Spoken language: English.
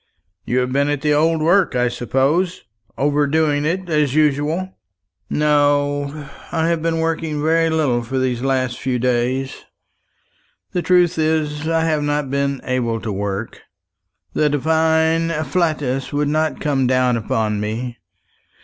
"You have been at the old work, I suppose overdoing it, as usual!" "No, I have been working very little for these last few days. The truth is, I have not been able to work. The divine afflatus wouldn't come down upon me.